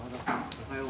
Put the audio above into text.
おはよう。